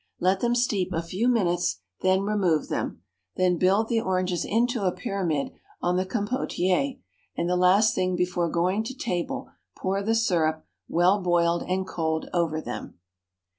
Let them steep a few minutes; then remove them; then build the oranges into a pyramid on the compotier, and the last thing before going to table pour the syrup, well boiled and cold, over them.